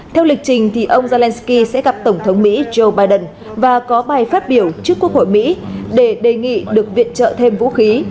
theo lịch trình ông zelensky sẽ gặp tổng thống mỹ joe biden và có bài phát biểu trước quốc hội mỹ để đề nghị được viện trợ thêm vũ khí